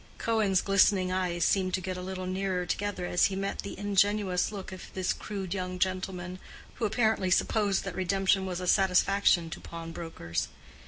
Cohen's glistening eyes seemed to get a little nearer together as he met the ingenuous look of this crude young gentleman, who apparently supposed that redemption was a satisfaction to pawnbrokers.